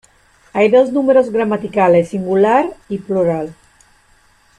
Hay dos números gramaticales: singular y plural.